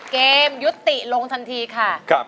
เกมยุติลงทันทีค่ะ